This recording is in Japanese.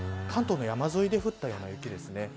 関東の山沿いで降ったような雪ですね。